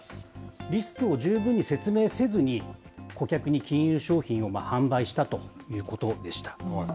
リスクを十分に説明せずに顧客に金融商品を販売したということでした。